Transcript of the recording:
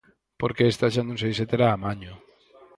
Porque esta xa non sei se terá amaño.